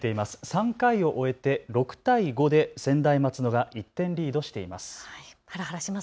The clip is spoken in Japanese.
３回を終えて６対５で専大松戸が１点リードしています。